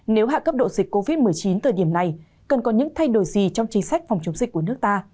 nếu hạ cấp độ dịch covid một mươi chín thời điểm này cần có những thay đổi gì trong chính sách phòng chống dịch của nước ta